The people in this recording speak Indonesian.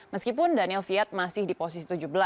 meskipun daniel viet masih di posisi tujuh belas